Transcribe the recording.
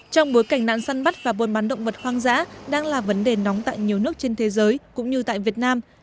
trong bối cảnh nạn săn bắt và buôn bán động vật hoang dã đang là vấn đề nóng tại nhiều nước trên thế giới cũng như tại việt nam